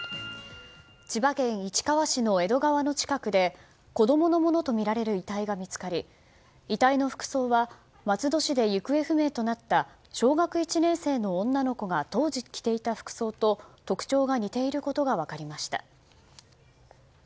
千葉県市川市の江戸川の近くで子供のものとみられる遺体が見つかり遺体の服装は松戸市で行方不明となった小学１年生の女の子が当時着ていた服装と特徴が似ていることが分かりました。